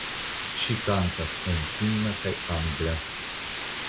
Ŝi kantas en finna kaj angla.